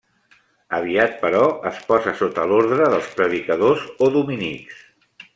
Aviat, però, es posà sota l'Orde dels Predicadors o dominics.